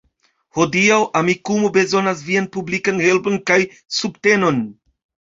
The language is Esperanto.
Hodiaŭ Amikumu bezonas vian publikan helpon kaj subtenon